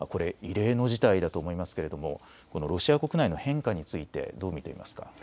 異例の事態だと思いますがロシア国内の変化についてどう見ていますか。